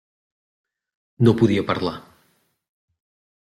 No podia parlar.